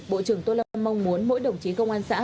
bộ trưởng tô lâm mong muốn mỗi đồng chí công an xã